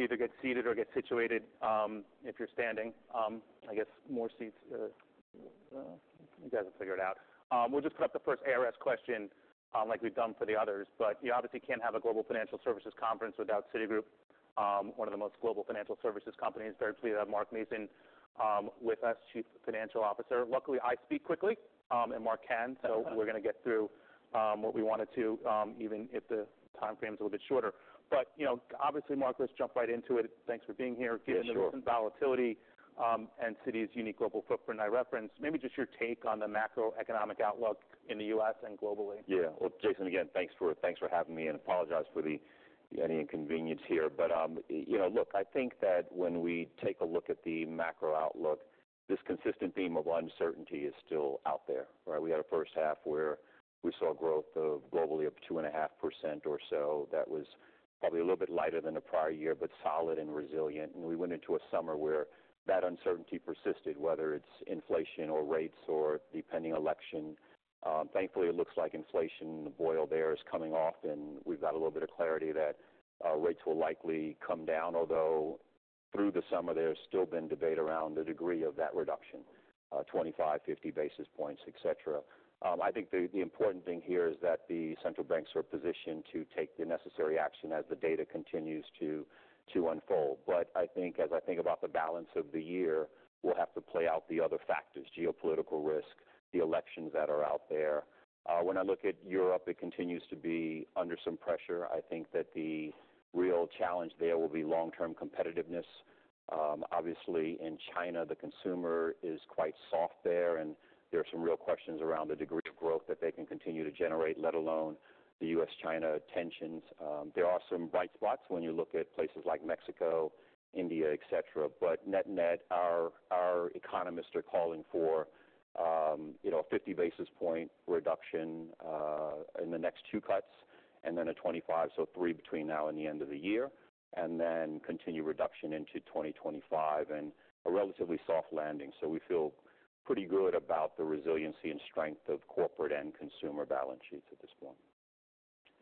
Either get seated or get situated, if you're standing. I guess more seats, you guys will figure it out. We'll just put up the first ARS question, like we've done for the others. But you obviously can't have a global financial services conference without Citigroup, one of the most global financial services companies. Very pleased to have Mark Mason, with us, Chief Financial Officer. Luckily, I speak quickly, and Mark can, so we're going to get through, what we wanted to, even if the timeframe is a little bit shorter. But, you know, obviously, Mark, let's jump right into it. Thanks for being here. Yeah, sure. Given the recent volatility, and Citi's unique global footprint I referenced, maybe just your take on the macroeconomic outlook in the U.S. and globally? Yeah. Well, Jason, again, thanks for having me, and apologize for any inconvenience here. But you know, look, I think that when we take a look at the macro outlook, this consistent theme of uncertainty is still out there, right? We had a first half where we saw growth globally of 2.5% or so. That was probably a little bit lighter than the prior year, but solid and resilient. We went into a summer where that uncertainty persisted, whether it's inflation or rates or the pending election. Thankfully, it looks like inflation, the boil there, is coming off, and we've got a little bit of clarity that rates will likely come down. Although through the summer, there's still been debate around the degree of that reduction, 25, 50 basis points, etc. I think the important thing here is that the central banks are positioned to take the necessary action as the data continues to unfold. But I think, as I think about the balance of the year, we'll have to play out the other factors, geopolitical risk, the elections that are out there. When I look at Europe, it continues to be under some pressure. I think that the real challenge there will be long-term competitiveness. Obviously in China, the consumer is quite soft there, and there are some real questions around the degree of growth that they can continue to generate, let alone the U.S.-China tensions. There are some bright spots when you look at places like Mexico, India, et cetera. But net-net, our economists are calling for, you know, a 50 basis point reduction in the next two cuts, and then a 25, so three between now and the end of the year, and then continue reduction into 2025, and a relatively soft landing. So we feel pretty good about the resiliency and strength of corporate and consumer balance sheets at this point.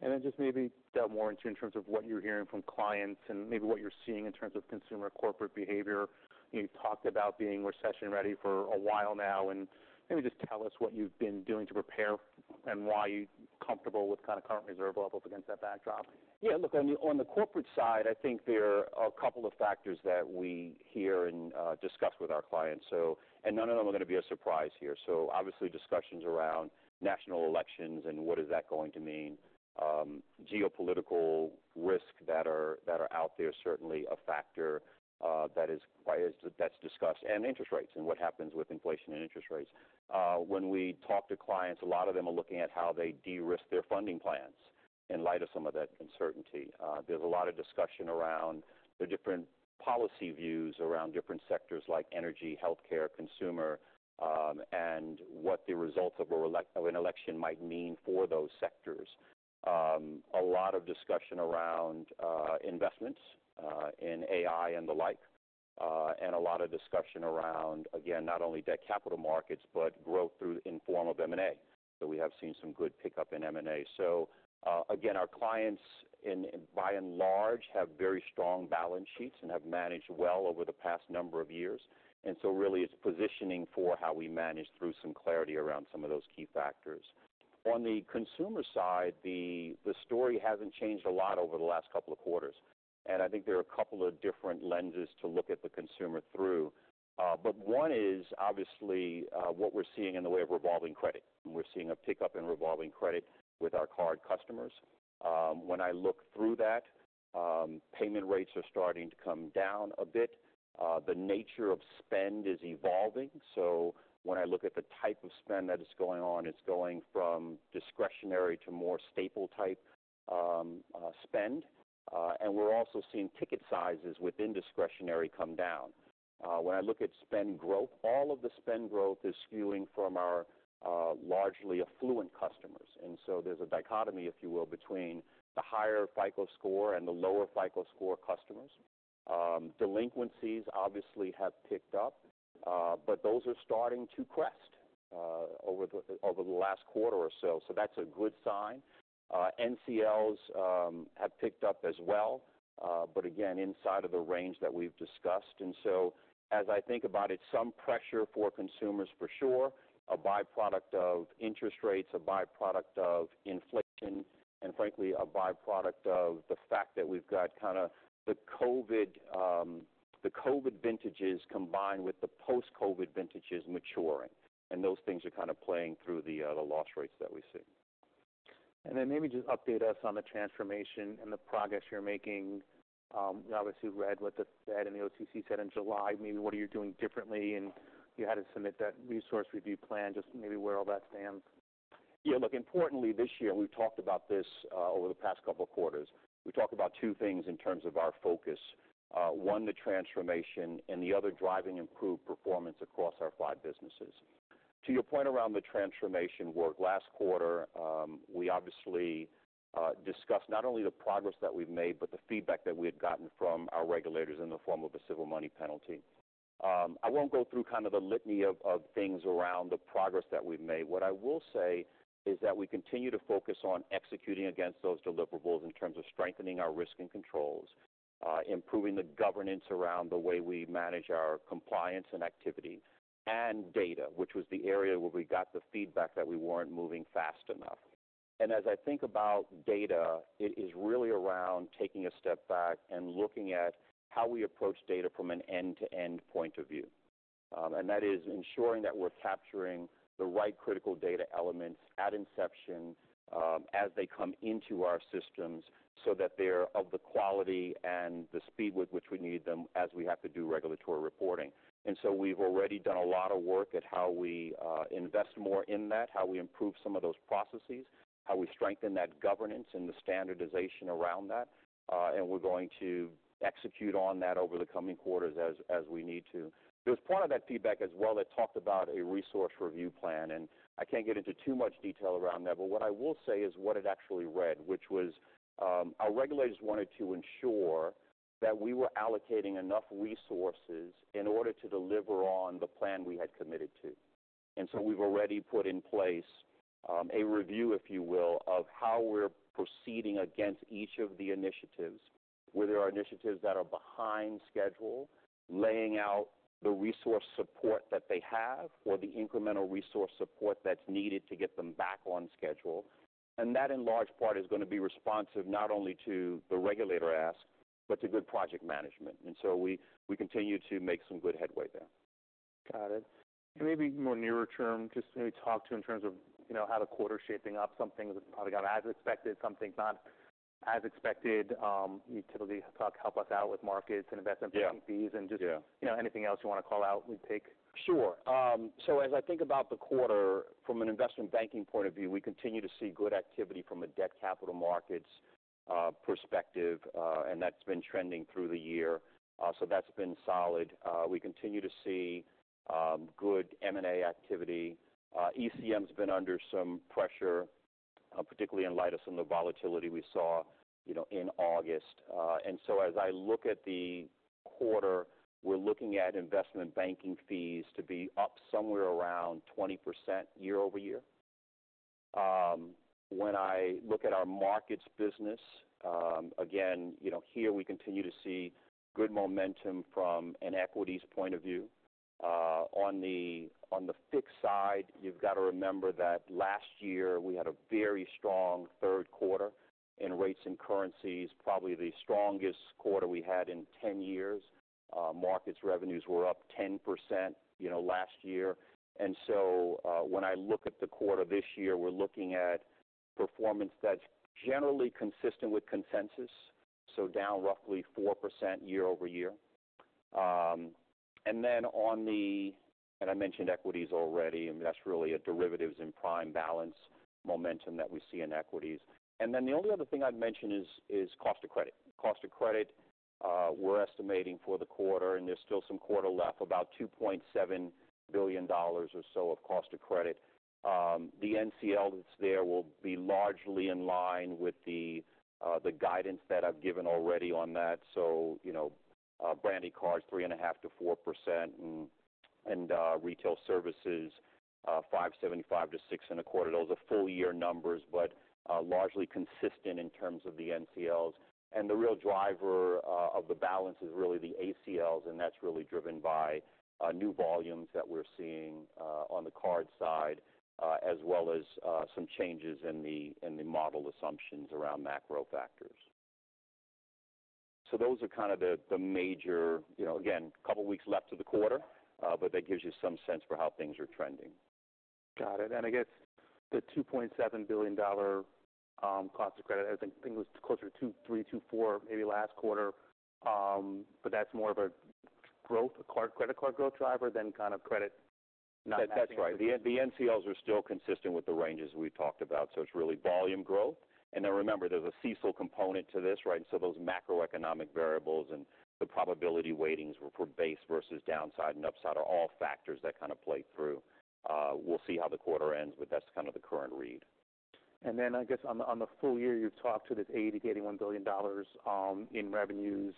And then just maybe dive more into in terms of what you're hearing from clients and maybe what you're seeing in terms of consumer corporate behavior. You've talked about being recession-ready for a while now, and maybe just tell us what you've been doing to prepare and why you're comfortable with kind of current reserve levels against that backdrop. Yeah, look, on the corporate side, I think there are a couple of factors that we hear and discuss with our clients and none of them are going to be a surprise here. So obviously, discussions around national elections and what is that going to mean? Geopolitical risks that are out there, certainly a factor, that is why that's discussed, and interest rates, and what happens with inflation and interest rates. When we talk to clients, a lot of them are looking at how they de-risk their funding plans in light of some of that uncertainty. There's a lot of discussion around the different policy views around different sectors like energy, healthcare, consumer, and what the results of an election might mean for those sectors. A lot of discussion around investments in AI and the like, and a lot of discussion around, again, not only debt capital markets, but growth through in form of M&A, so we have seen some good pickup in M&A. Again, our clients, by and large, have very strong balance sheets and have managed well over the past number of years. And so really, it's positioning for how we manage through some clarity around some of those key factors. On the consumer side, the story hasn't changed a lot over the last couple of quarters, and I think there are a couple of different lenses to look at the consumer through. One is obviously what we're seeing in the way of revolving credit, and we're seeing a pickup in revolving credit with our card customers. When I look through that, payment rates are starting to come down a bit. The nature of spend is evolving, so when I look at the type of spend that is going on, it's going from discretionary to more staple type spend, and we're also seeing ticket sizes within discretionary come down. When I look at spend growth, all of the spend growth is skewing from our largely affluent customers, and so there's a dichotomy, if you will, between the higher FICO score and the lower FICO score customers. Delinquencies obviously have picked up, but those are starting to crest over the last quarter or so, so that's a good sign. NCLs have picked up as well, but again, inside of the range that we've discussed. And so as I think about it, some pressure for consumers for sure, a byproduct of interest rates, a byproduct of inflation, and frankly, a byproduct of the fact that we've got kind of the COVID vintages combined with the post-COVID vintages maturing, and those things are kind of playing through the loss rates that we see. Then maybe just update us on the transformation and the progress you're making. We obviously read what the Fed and the OCC said in July. Maybe what are you doing differently, and you had to submit that resource review plan. Just maybe where all that stands. Yeah, look, importantly, this year, we've talked about this over the past couple of quarters. We talked about two things in terms of our focus. One, the transformation, and the other, driving improved performance across our five businesses. To your point around the transformation work, last quarter, we obviously discussed not only the progress that we've made, but the feedback that we had gotten from our regulators in the form of a civil money penalty. I won't go through kind of the litany of things around the progress that we've made. What I will say is that we continue to focus on executing against those deliverables in terms of strengthening our risk and controls, improving the governance around the way we manage our compliance and activity, and data, which was the area where we got the feedback that we weren't moving fast enough. As I think about data, it is really around taking a step back and looking at how we approach data from an end-to-end point of view. That is ensuring that we're capturing the right critical data elements at inception, as they come into our systems, so that they're of the quality and the speed with which we need them as we have to do regulatory reporting. We've already done a lot of work on how we invest more in that, how we improve some of those processes, how we strengthen that governance and the standardization around that, and we're going to execute on that over the coming quarters as we need to. There was part of that feedback as well that talked about a resource review plan, and I can't get into too much detail around that, but what I will say is what it actually read, which was, our regulators wanted to ensure that we were allocating enough resources in order to deliver on the plan we had committed to. And so we've already put in place, a review, if you will, of how we're proceeding against each of the initiatives, where there are initiatives that are behind schedule, laying out the resource support that they have or the incremental resource support that's needed to get them back on schedule. And that, in large part, is gonna be responsive not only to the regulator ask, but to good project management. And so we continue to make some good headway there. Got it. And maybe more nearer term, just maybe talk to in terms of, you know, how the quarter's shaping up. Some things have probably gone as expected, some things not as expected. You typically talk to help us out with markets and investment- Yeah. Banking fees and just- Yeah. You know, anything else you wanna call out, we'd take. Sure, so as I think about the quarter from an investment banking point of view, we continue to see good activity from a debt capital markets perspective, and that's been trending through the year, so that's been solid. We continue to see good M&A activity. ECM's been under some pressure, particularly in light of some of the volatility we saw, you know, in August, and so as I look at the quarter, we're looking at investment banking fees to be up somewhere around 20% year-over-year. When I look at our Markets business, again, you know, here we continue to see good momentum from an equities point of view. On the fixed side, you've got to remember that last year we had a very strong third quarter in rates and currencies, probably the strongest quarter we had in 10 years. Markets revenues were up 10%, you know, last year. And so, when I look at the quarter this year, we're looking at performance that's generally consistent with consensus, so down roughly 4% year-over-year. And I mentioned equities already, and that's really a derivatives and prime balance momentum that we see in equities. And then the only other thing I'd mention is cost of credit. Cost of credit, we're estimating for the quarter, and there's still some quarter left, about $2.7 billion or so of cost of credit. The NCL that's there will be largely in line with the guidance that I've given already on that. So, you know, Branded Cards, 3.5%-4%, and Retail Services, 5.75%-6.25%. Those are full year numbers, but largely consistent in terms of the NCLs. And the real driver of the balance is really the ACLs, and that's really driven by new volumes that we're seeing on the card side, as well as some changes in the model assumptions around macro factors. So those are kind of the major, you know, again, couple weeks left of the quarter, but that gives you some sense for how things are trending. Got it. And I guess the $2.7 billion cost of credit, I think, I think it was closer to three to four maybe last quarter. But that's more of a growth, card, credit card growth driver than kind of credit not- That's right. The NCLs are still consistent with the ranges we've talked about, so it's really volume growth. And then remember, there's a CECL component to this, right? So those macroeconomic variables and the probability weightings for base versus downside and upside are all factors that kind of play through. We'll see how the quarter ends, but that's kind of the current read. I guess on the full year, you've talked to this $80 billion-$81 billion in revenues.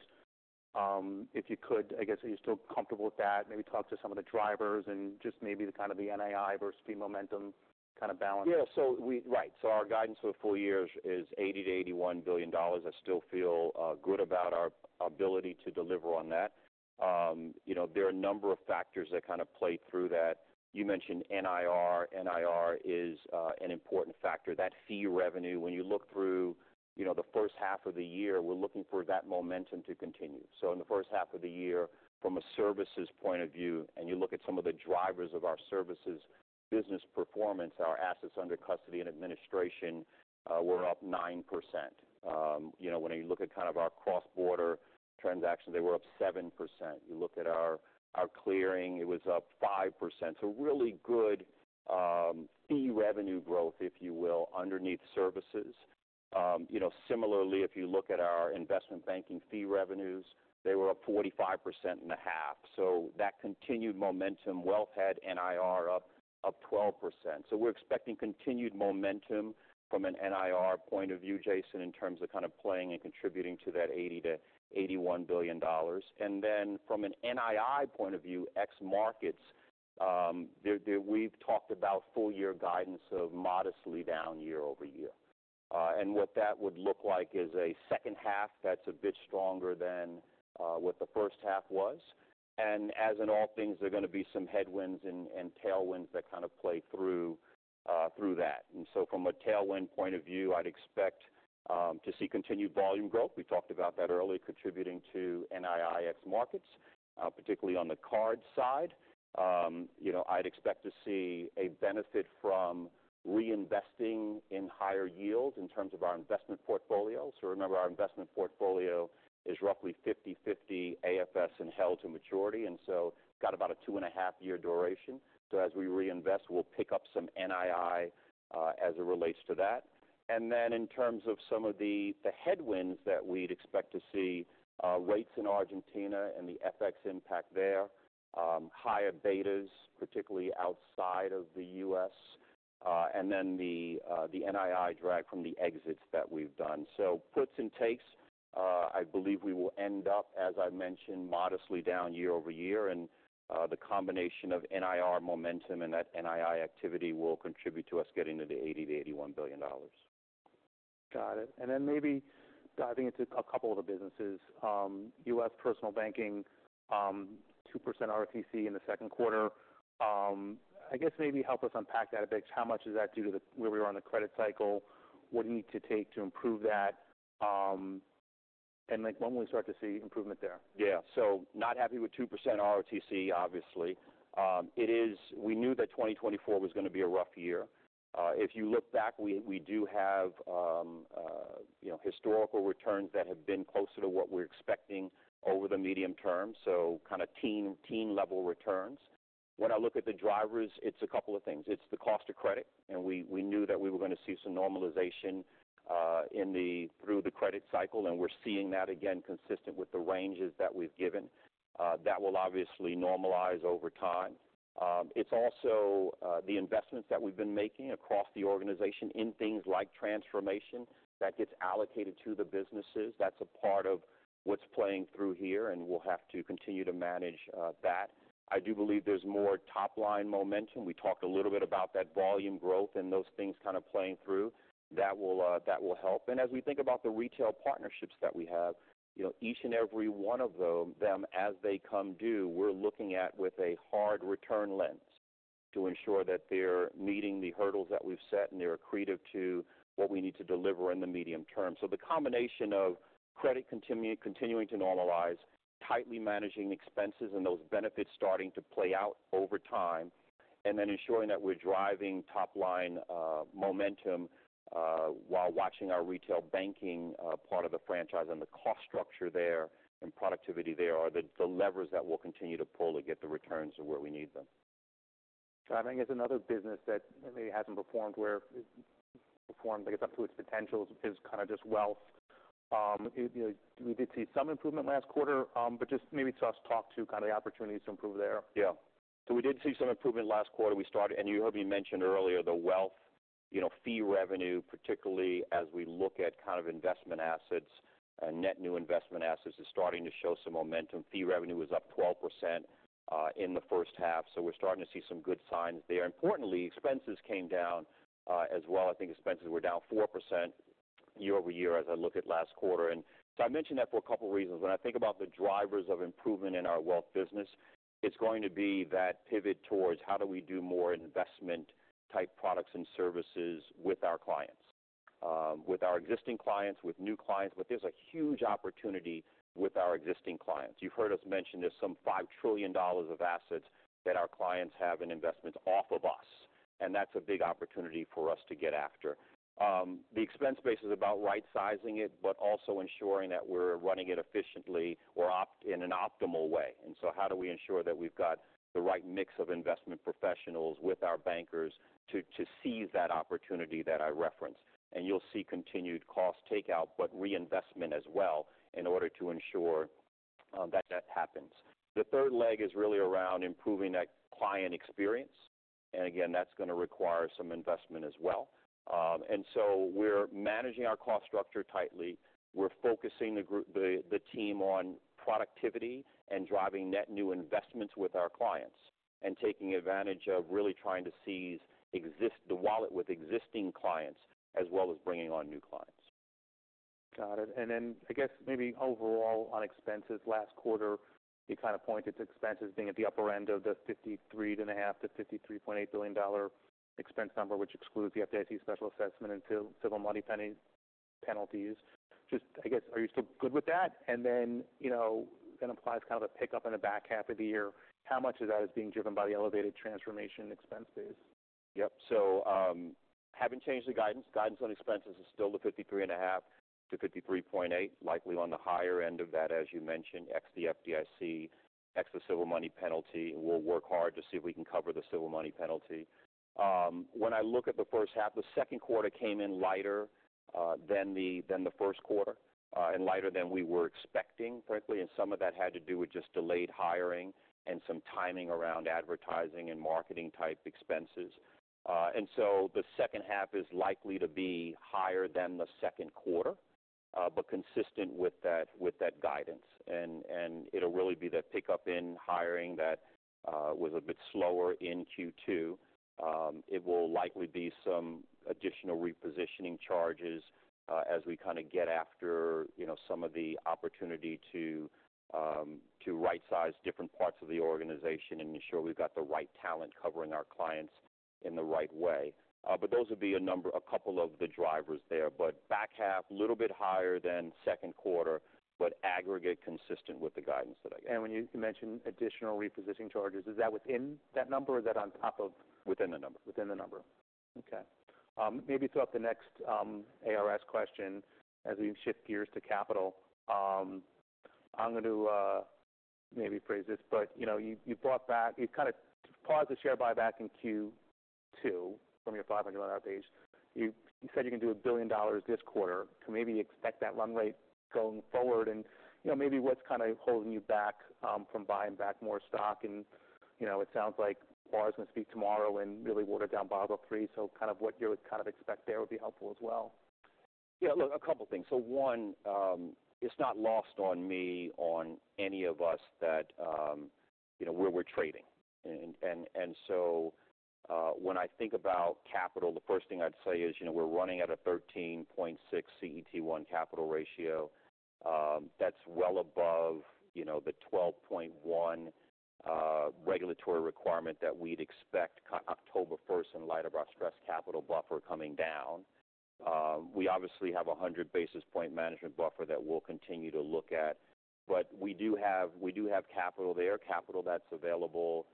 If you could, I guess, are you still comfortable with that? Maybe talk to some of the drivers and just maybe the kind of NII versus fee momentum kind of balance. Yeah, so right. So our guidance for the full year is $80 billion-$81 billion. I still feel good about our ability to deliver on that. You know, there are a number of factors that kind of play through that. You mentioned NIR. NIR is an important factor. That fee revenue, when you look through, you know, the first half of the year, we're looking for that momentum to continue. So in the first half of the year, from a Services point of view, and you look at some of the drivers of our Services business performance, our assets under custody and administration were up 9%. You know, when you look at kind of our cross-border transactions, they were up 7%. You look at our clearing, it was up 5%. So really good fee revenue growth, if you will, underneath Services. You know, similarly, if you look at our investment banking fee revenues, they were up 45% in the half. So that continued momentum. Wealth had NIR up 12%. So we're expecting continued momentum from an NIR point of view, Jason, in terms of kind of playing and contributing to that $80 billion-$81 billion. And then from an NII point of view, ex markets, we've talked about full year guidance of modestly down year-over-year. And what that would look like is a second half that's a bit stronger than what the first half was. And as in all things, there are going to be some headwinds and tailwinds that kind of play through that. And so from a tailwind point of view, I'd expect to see continued volume growth. We talked about that earlier, contributing to NII in markets, particularly on the card side. You know, I'd expect to see a benefit from reinvesting in higher yields in terms of our investment portfolio. So remember, our investment portfolio is roughly 50/50 AFS and held to maturity, and so got about a two-and-a-half-year duration. So as we reinvest, we'll pick up some NII, as it relates to that. And then in terms of some of the headwinds that we'd expect to see, rates in Argentina and the FX impact there, higher betas, particularly outside of the U.S., and then the NII drag from the exits that we've done. So puts and takes, I believe we will end up, as I mentioned, modestly down year-over-year, and the combination of NIR momentum and that NII activity will contribute to us getting to the $80 billion-$81 billion. Got it. And then maybe diving into a couple of the businesses. U.S. Personal Banking, 2% ROTCE in the second quarter. I guess maybe help us unpack that a bit. How much is that due to the where we are on the credit cycle? What do you need to take to improve that? And like, when will we start to see improvement there? Yeah. So not happy with 2% ROTCE, obviously. It is. We knew that 2024 was going to be a rough year. If you look back, we do have, you know, historical returns that have been closer to what we're expecting over the medium term, so kind of teen-level returns. When I look at the drivers, it's a couple of things. It's the cost of credit, and we knew that we were going to see some normalization through the credit cycle, and we're seeing that again, consistent with the ranges that we've given. That will obviously normalize over time. It's also the investments that we've been making across the organization in things like transformation that gets allocated to the businesses. That's a part of what's playing through here, and we'll have to continue to manage that. I do believe there's more top-line momentum. We talked a little bit about that volume growth and those things kind of playing through. That will help. And as we think about the retail partnerships that we have, you know, each and every one of them, as they come due, we're looking at with a hard return lens to ensure that they're meeting the hurdles that we've set, and they're accretive to what we need to deliver in the medium term. The combination of credit continuing to normalize, tightly managing expenses, and those benefits starting to play out over time, and then ensuring that we're driving top line momentum, while watching our retail banking part of the franchise and the cost structure there and productivity there, are the levers that we'll continue to pull to get the returns to where we need them. I think it's another business that maybe hasn't performed, I guess, up to its potential is kind of just Wealth. You know, we did see some improvement last quarter, but maybe just talk to kind of the opportunities to improve there. Yeah. So we did see some improvement last quarter. We started, and you heard me mention earlier, the Wealth, you know, fee revenue, particularly as we look at kind of investment assets and net new investment assets, is starting to show some momentum. Fee revenue was up 12% in the first half, so we're starting to see some good signs there. Importantly, expenses came down, as well. I think expenses were down 4% year-over-year as I look at last quarter. And so I mentioned that for a couple of reasons. When I think about the drivers of improvement in our Wealth business, it's going to be that pivot towards how do we do more investment-type products and services with our clients, with our existing clients, with new clients, but there's a huge opportunity with our existing clients. You've heard us mention there's some $5 trillion of assets that our clients have in investments off of us, and that's a big opportunity for us to get after. The expense base is about right-sizing it, but also ensuring that we're running it efficiently or optimally in an optimal way. And so how do we ensure that we've got the right mix of investment professionals with our bankers to seize that opportunity that I referenced? And you'll see continued cost takeout, but reinvestment as well, in order to ensure that that happens. The third leg is really around improving that client experience, and again, that's going to require some investment as well. And so we're managing our cost structure tightly. We're focusing the group, the team on productivity and driving net new investments with our clients and taking advantage of really trying to seize the wallet with existing clients as well as bringing on new clients. Got it. And then I guess maybe overall on expenses, last quarter, you kind of pointed to expenses being at the upper end of the $53.5 billion-$53.8 billion expense number, which excludes the FDIC special assessment and civil money penalties. Just, I guess, are you still good with that? And then, you know, that implies kind of a pickup in the back half of the year. How much of that is being driven by the elevated transformation expense base? Yep. So, haven't changed the guidance. Guidance on expenses is still the $53.5 billion-$53.8 billion, likely on the higher end of that, as you mentioned, ex the FDIC, ex the civil money penalty. We'll work hard to see if we can cover the civil money penalty. When I look at the first half, the second quarter came in lighter than the first quarter and lighter than we were expecting, frankly, and some of that had to do with just delayed hiring and some timing around advertising and marketing type expenses. And so the second half is likely to be higher than the second quarter, but consistent with that guidance, and it'll really be that pickup in hiring that was a bit slower in Q2. It will likely be some additional repositioning charges, as we kind of get after, you know, some of the opportunity to to rightsize different parts of the organization and ensure we've got the right talent covering our clients in the right way. But those would be a couple of the drivers there. But back half, little bit higher than second quarter, but aggregate consistent with the guidance that I gave. When you mentioned additional repositioning charges, is that within that number or is that on top of? Within the number. Within the number, okay. Maybe throw up the next ARS question as we shift gears to capital. I'm going to maybe phrase this, but, you know, you bought back - you kind of paused the share buyback in Q2 from your $500 pace. You said you're gonna do $1 billion this quarter. Can maybe expect that run rate going forward? And, you know, maybe what's kind of holding you back from buying back more stock? And, you know, it sounds like Barr's going to speak tomorrow and really water down Basel III. So kind of what you would kind of expect there would be helpful as well. Yeah, look, a couple things. So one, it's not lost on me, on any of us that, you know, where we're trading. And so, when I think about capital, the first thing I'd say is, you know, we're running at a 13.6% CET1 capital ratio. That's well above, you know, the 12.1% regulatory requirement that we'd expect October first, in light of our stress capital buffer coming down. We obviously have 100 basis points management buffer that we'll continue to look at, but we do have, we do have capital there, capital that's available,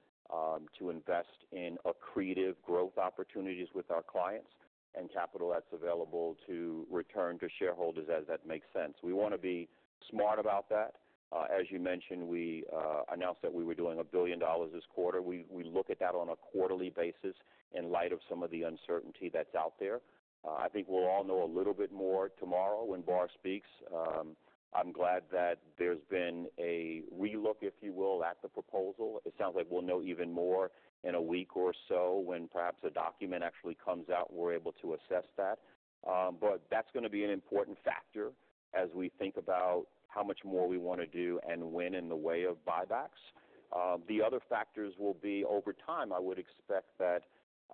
to invest in accretive growth opportunities with our clients, and capital that's available to return to shareholders as that makes sense. We want to be smart about that. As you mentioned, we announced that we were doing $1 billion this quarter. We look at that on a quarterly basis in light of some of the uncertainty that's out there. I think we'll all know a little bit more tomorrow when Barr speaks. I'm glad that there's been a relook, if you will, at the proposal. It sounds like we'll know even more in a week or so when perhaps a document actually comes out, and we're able to assess that. But that's gonna be an important factor as we think about how much more we want to do and when, in the way of buybacks. The other factors will be over time. I would expect that,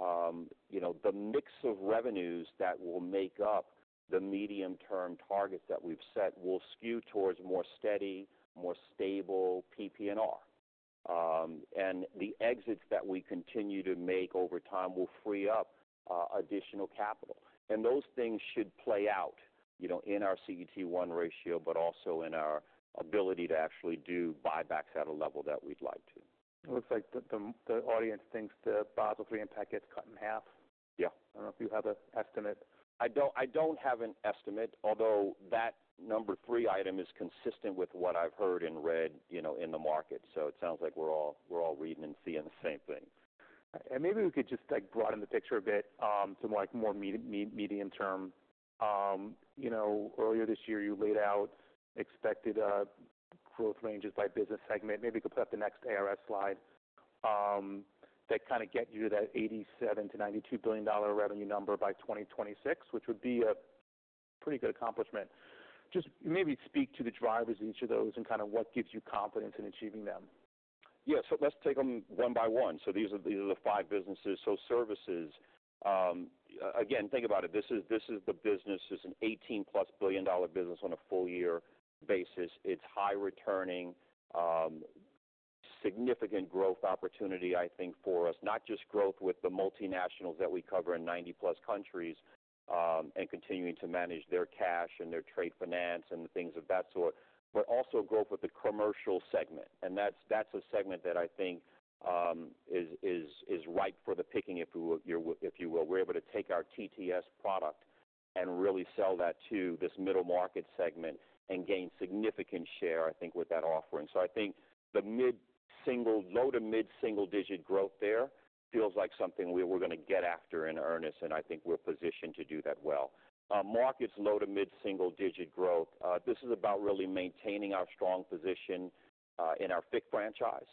you know, the mix of revenues that will make up the medium-term targets that we've set will skew towards more steady, more stable PPNR. And the exits that we continue to make over time will free up additional capital. And those things should play out, you know, in our CET1 ratio, but also in our ability to actually do buybacks at a level that we'd like to. It looks like the audience thinks the Basel III impact gets cut in half. Yeah. I don't know if you have an estimate. I don't have an estimate, although that number three item is consistent with what I've heard and read, you know, in the market. So it sounds like we're all reading and seeing the same thing. And maybe we could just, like, broaden the picture a bit, to more like, more medium term. You know, earlier this year, you laid out expected growth ranges by business segment. Maybe you could put up the next ARS slide, that kind of get you to that $87 billion-$92 billion revenue number by 2026, which would be a pretty good accomplishment. Just maybe speak to the drivers of each of those and kind of what gives you confidence in achieving them. Yeah. So let's take them one by one. So these are the five businesses. So Services, again, think about it. This is the business. It's an $18+ billion-dollar business on a full year basis. It's high returning, significant growth opportunity, I think, for us, not just growth with the multinationals that we cover in 90+ countries, and continuing to manage their cash and their trade finance and things of that sort, but also growth with the commercial segment. And that's a segment that I think is ripe for the picking, if you will. We're able to take our TTS product and really sell that to this middle market segment and gain significant share, I think, with that offering. So I think low to mid-single-digit growth there feels like something we're gonna get after in earnest, and I think we're positioned to do that well. Our Markets low to mid-single-digit growth. This is about really maintaining our strong position in our FICC franchise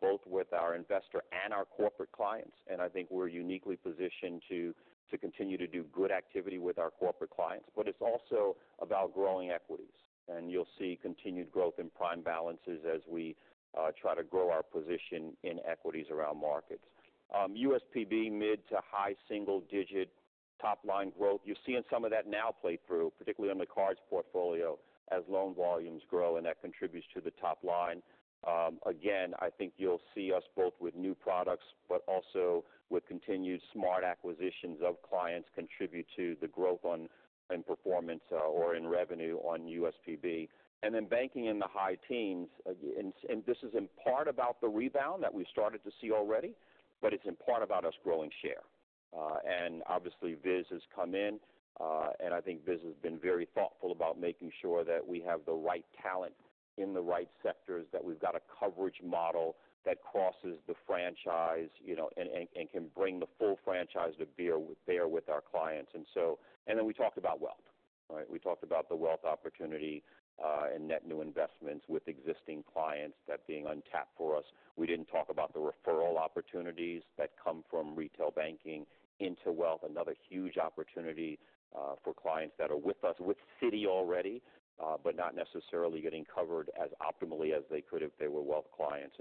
both with our investor and our corporate clients. And I think we're uniquely positioned to continue to do good activity with our corporate clients. But it's also about growing equities, and you'll see continued growth in prime balances as we try to grow our position in equities around markets. USPB, mid to high-single-digit top line growth. You're seeing some of that now play through, particularly on the cards portfolio, as loan volumes grow, and that contributes to the top line. Again, I think you'll see us both with new products, but also with continued smart acquisitions of clients, contribute to the growth in performance, or in revenue on USPB. And then banking in the high teens, and this is in part about the rebound that we've started to see already, but it's in part about us growing share. And obviously, Vis has come in, and I think Vis has been very thoughtful about making sure that we have the right talent in the right sectors, that we've got a coverage model that crosses the franchise, you know, and can bring the full franchise to bear with our clients. And then we talked about Wealth. Right, we talked about the Wealth opportunity, and net new investments with existing clients, that being untapped for us. We didn't talk about the referral opportunities that come from retail banking into Wealth. Another huge opportunity for clients that are with us, with Citi already, but not necessarily getting covered as optimally as they could if they were Wealth clients.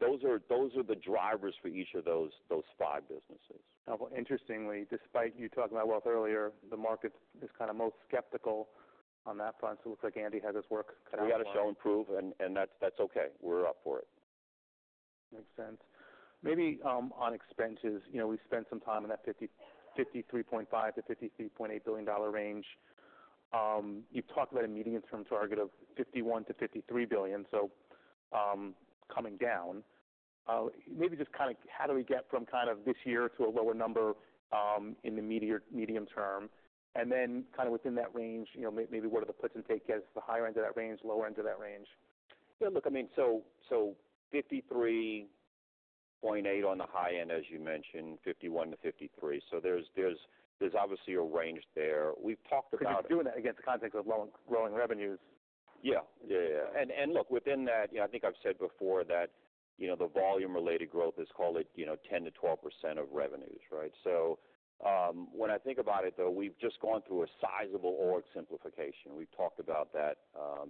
Those are the drivers for each of those five businesses. Interestingly, despite you talking about Wealth earlier, the market is kind of most skeptical on that front. It looks like Andy has his work cut out. We got to show and prove, and that's okay. We're up for it. Makes sense. Maybe on expenses, you know, we spent some time in that $53.5 billion-$53.8 billion range. You've talked about a medium-term target of $51 billion-$53 billion, so coming down. Maybe just kind of how do we get from kind of this year to a lower number in the medium term? And then kind of within that range, you know, maybe what are the puts and takes as the higher end of that range, lower end of that range? Yeah, look, I mean, so 53.8 on the high end, as you mentioned, 51-53. So there's obviously a range there. We've talked about- You're doing that against the context of growing, growing revenues. Yeah. And look, within that, you know, I think I've said before that, you know, the volume-related growth is, call it, you know, 10%-12% of revenues, right? So, when I think about it, though, we've just gone through a sizable org simplification. We've talked about that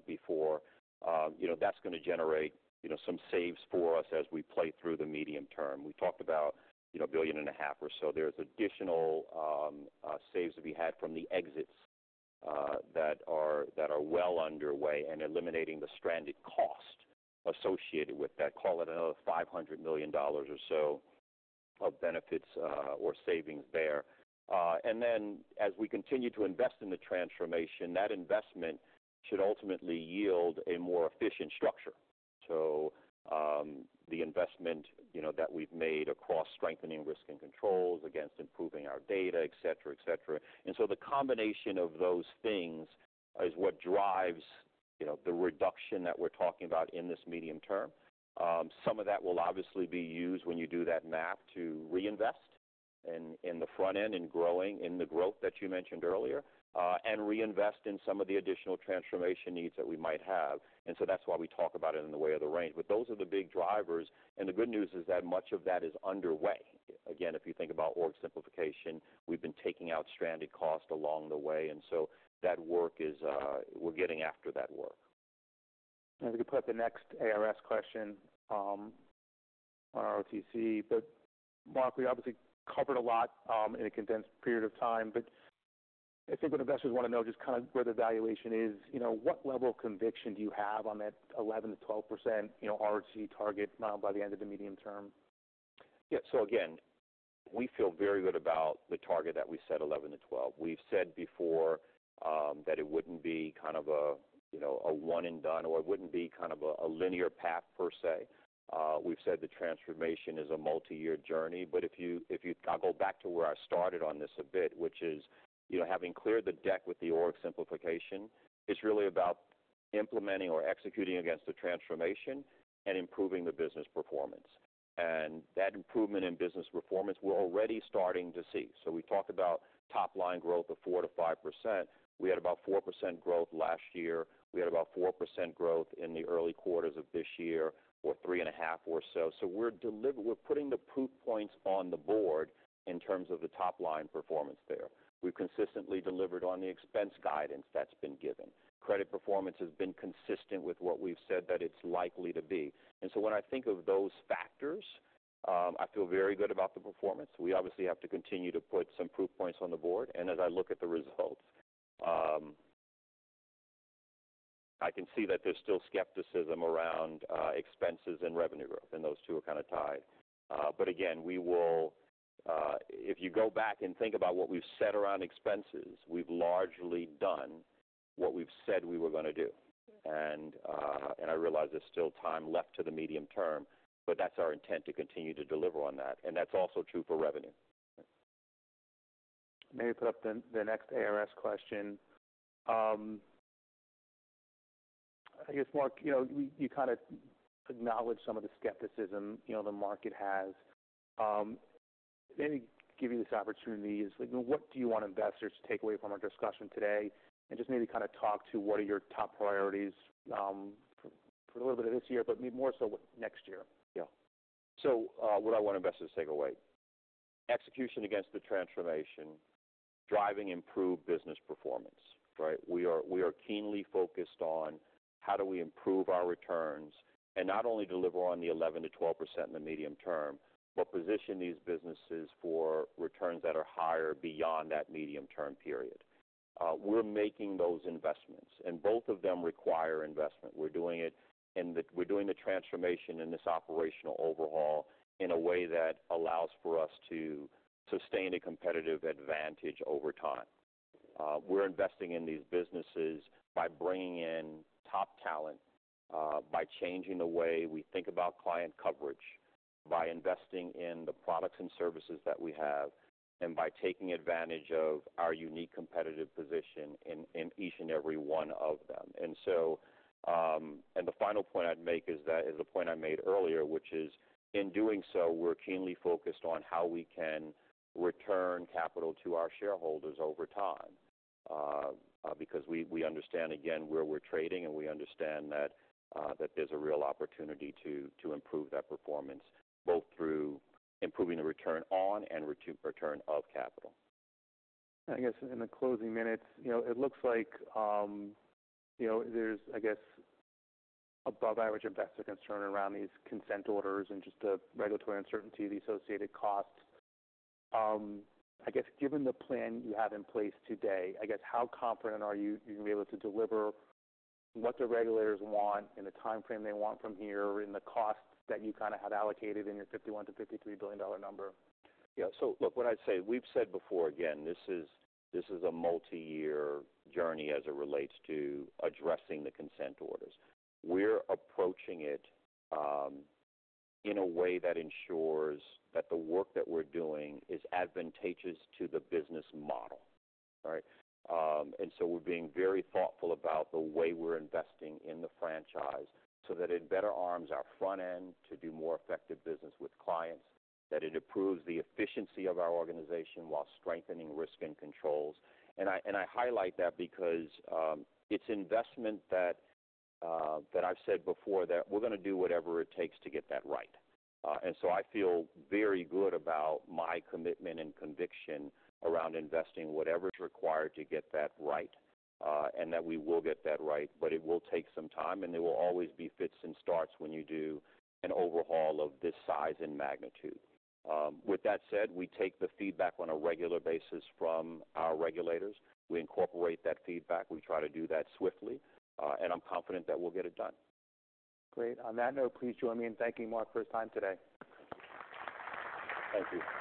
before. You know, that's going to generate, you know, some saves for us as we play through the medium term. We talked about, you know, $1.5 billion or so. There's additional saves that we had from the exits that are well underway, and eliminating the stranded cost associated with that. Call it another $500 million or so of benefits, or savings there. And then as we continue to invest in the transformation, that investment should ultimately yield a more efficient structure. So the investment, you know, that we've made across strengthening risk and controls, against improving our data, et cetera, et cetera. And so the combination of those things is what drives, you know, the reduction that we're talking about in this medium term. Some of that will obviously be used when you do that math to reinvest in the front end, in growing the growth that you mentioned earlier, and reinvest in some of the additional transformation needs that we might have. And so that's why we talk about it in the way of the range. But those are the big drivers, and the good news is that much of that is underway. Again, if you think about org simplification, we've been taking out stranded costs along the way, and so that work is. We're getting after that work. We can put up the next ARS question on ROTCE. Mark, we obviously covered a lot in a condensed period of time, but I think what investors want to know, just kind of where the valuation is, you know, what level of conviction do you have on that 11%-12% ROTCE target by the end of the medium term? Yeah. So again, we feel very good about the target that we set, 11-12%. We've said before that it wouldn't be kind of a, you know, a one-and-done, or it wouldn't be kind of a linear path per se. We've said the transformation is a multiyear journey, I'll go back to where I started on this a bit, which is, you know, having cleared the deck with the org simplification, it's really about implementing or executing against the transformation and improving the business performance. And that improvement in business performance, we're already starting to see. So we talked about top-line growth of 4%-5%. We had about 4% growth last year. We had about 4% growth in the early quarters of this year, or three and a half or so. So we're putting the proof points on the board in terms of the top-line performance there. We've consistently delivered on the expense guidance that's been given. Credit performance has been consistent with what we've said that it's likely to be. And so when I think of those factors, I feel very good about the performance. We obviously have to continue to put some proof points on the board, and as I look at the results, I can see that there's still skepticism around expenses and revenue growth, and those two are kind of tied. But again, we will. If you go back and think about what we've said around expenses, we've largely done what we've said we were going to do. I realize there's still time left to the medium term, but that's our intent to continue to deliver on that, and that's also true for revenue. Maybe put up the next ARS question. I guess, Mark, you know, you kind of acknowledged some of the skepticism, you know, the market has. Maybe give you this opportunity, is like, what do you want investors to take away from our discussion today? And just maybe kind of talk to what are your top priorities, for a little bit of this year, but maybe more so next year. Yeah. So, what I want investors to take away: execution against the transformation, driving improved business performance, right? We are keenly focused on how do we improve our returns, and not only deliver on the 11%-12% in the medium term, but position these businesses for returns that are higher beyond that medium-term period. We're making those investments, and both of them require investment. We're doing the transformation and this operational overhaul in a way that allows for us to sustain a competitive advantage over time. We're investing in these businesses by bringing in top talent, by changing the way we think about client coverage, by investing in the products and services that we have, and by taking advantage of our unique competitive position in each and every one of them. And so, the final point I'd make is that the point I made earlier, which is, in doing so, we're keenly focused on how we can return capital to our shareholders over time. Because we understand again where we're trading, and we understand that there's a real opportunity to improve that performance, both through improving the return on and return of capital. I guess in the closing minutes, you know, it looks like, you know, there's, I guess, above-average investor concern around these consent orders and just the regulatory uncertainty, the associated costs. I guess, given the plan you have in place today, I guess, how confident are you you're going to be able to deliver what the regulators want in the timeframe they want from here, in the cost that you kinda had allocated in your $51 billion-$53 billion number? Yeah. So look, what I'd say, we've said before, again, this is a multiyear journey as it relates to addressing the consent orders. We're approaching it in a way that ensures that the work that we're doing is advantageous to the business model, right, and so we're being very thoughtful about the way we're investing in the franchise so that it better arms our front end to do more effective business with clients, that it improves the efficiency of our organization while strengthening risk and controls, and I highlight that because it's investment that I've said before, that we're gonna do whatever it takes to get that right, and so I feel very good about my commitment and conviction around investing whatever's required to get that right, and that we will get that right. But it will take some time, and there will always be fits and starts when you do an overhaul of this size and magnitude. With that said, we take the feedback on a regular basis from our regulators. We incorporate that feedback. We try to do that swiftly, and I'm confident that we'll get it done. Great. On that note, please join me in thanking Mark for his time today. Thank you.